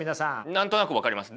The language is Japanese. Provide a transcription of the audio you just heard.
何となく分かります。